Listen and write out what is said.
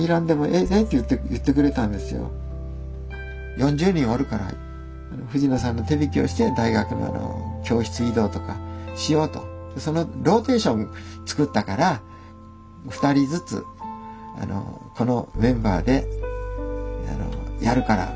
４０人おるから藤野さんの手引きをして大学の教室移動とかしようとそのローテーション作ったから２人ずつこのメンバーでやるから藤野さんおっていいよって言うて。